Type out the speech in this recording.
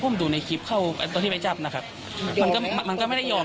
มันก็มันก็ไม่ได้หยอม